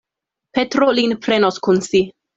Petro lin prenos kun si.